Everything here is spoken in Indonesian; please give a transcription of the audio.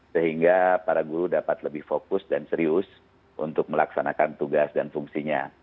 sehingga para guru dapat lebih fokus dan serius untuk melaksanakan tugas dan fungsinya